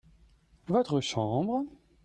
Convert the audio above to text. votre chambre.